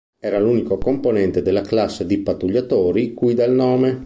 Era l'unico componente della classe di pattugliatori cui dà il nome.